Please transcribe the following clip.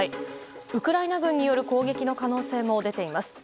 ウクライナ軍による攻撃の可能性も出ています。